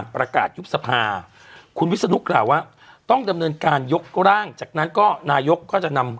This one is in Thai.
ประกาศยุบสภาคุณวิศนุกล่าวว่าต้องดำเนินการยกร่างจากนั้นก็นายกก็จะนำ